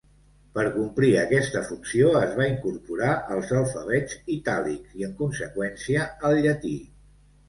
Per complir aquesta funció, es va incorporar als alfabets itàlics i, en conseqüència, al llatí.